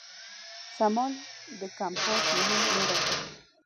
شمال د کمپاس مهم لوری دی.